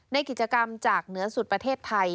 ในกิจกรรมจากเหนือสุดประเทศไทย